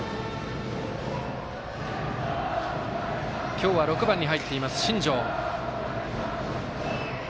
今日は６番に入っている新城。